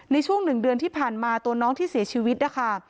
ในช่วงหนึ่งเดือนที่ผ่านมาตัวน้องที่เสียชีวิตนะคะ